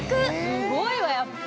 すごいわやっぱ。